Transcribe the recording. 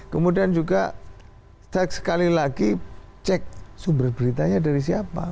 kemudian juga sekali lagi cek sumber beritanya dari siapa